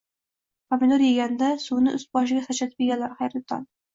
Pomidor yeganda suvini ust-boshiga sachratib yeganlar, xayrli tong!